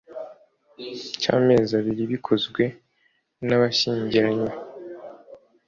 cy amezi abiri bikozwe n abashyingiranywe